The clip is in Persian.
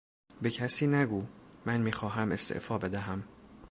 به کسی نگو; من میخواهم استعفا بدهم.